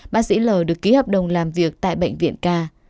bác sĩ l được ký hợp đồng làm việc tại bệnh viện ca